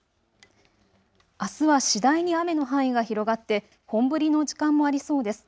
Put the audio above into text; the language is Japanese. あすは次第に雨の範囲が広がって本降りの時間もありそうです。